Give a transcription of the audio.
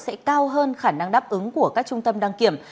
sẽ cao hơn khả năng đáp ứng của các trung tâm đăng kiểm